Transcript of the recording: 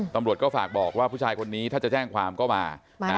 ตำรวจก็ฝากบอกว่าผู้ชายคนนี้ถ้าจะแจ้งความก็มา